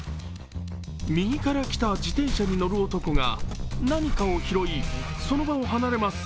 右から来た自転車に乗る男が何かを拾い、その場を離れます。